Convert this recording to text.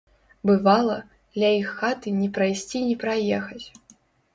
Бывала, ля іх хаты ні прайсці ні праехаць.